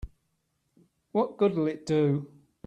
What good'll it do?